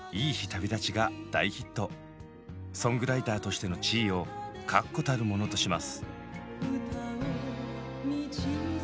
ソングライターとしての地位を確固たるものとします。